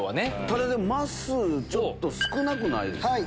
ただまっすーちょっと少なくないですか？